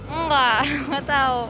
enggak gak tau